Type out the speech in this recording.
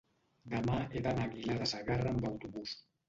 demà he d'anar a Aguilar de Segarra amb autobús.